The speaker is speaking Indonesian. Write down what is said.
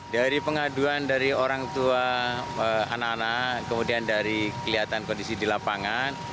dari pengaduan dari orang tua anak anak kemudian dari kelihatan kondisi di lapangan